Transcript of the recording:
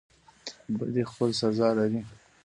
بدی خپل سزا لري